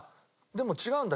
でも違うんだ。